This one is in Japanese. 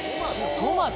トマト？